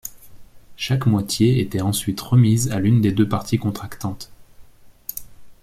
Chaque moitié était ensuite remise à l'une des deux parties contractantes.